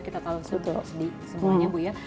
kita tahu sedih semuanya bu ya